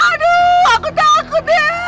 aduh aku takut ya